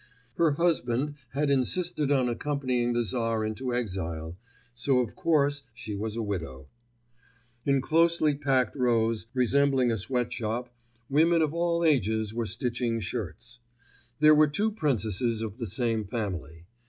Her husband had insisted on accompanying the Tsar into exile, so of course she was a widow. In closely packed rows, resembling a sweat shop, women of all ages were stitching shirts. There were two princesses of the same family.